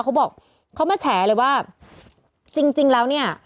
เขาบอกเขามาแฉเลยว่าจริงจริงแล้วเนี่ย